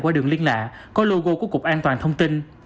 qua đường liên lạ có logo của cục an toàn thông tin